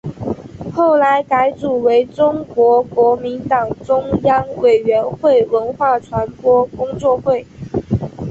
后来改组为中国国民党中央委员会文化传播工作会。